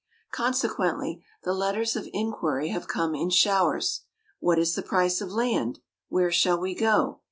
Consequently, the letters of inquiry have come in showers. What is the price of land? Where shall we go?